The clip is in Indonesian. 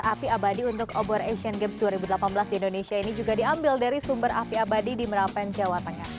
api abadi untuk obor asian games dua ribu delapan belas di indonesia ini juga diambil dari sumber api abadi di merapen jawa tengah